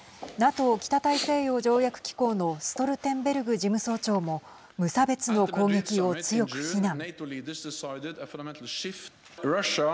ＮＡＴＯ＝北大西洋条約機構のストルテンベルグ事務総長も無差別の攻撃を強く非難。